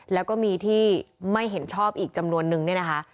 แล้วก็มีที่ไม่เห็นชอบอีกจำนวนนึงเนี่ยนะคะ